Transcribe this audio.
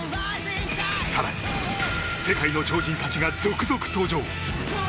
更に、世界の超人たちが続々登場。